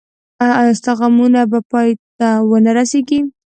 ایا ستاسو غمونه به پای ته و نه رسیږي؟